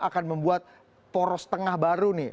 akan membuat poros tengah baru nih